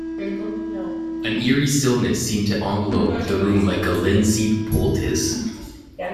An eerie stillness seemed to envelop the room like a linseed poultice.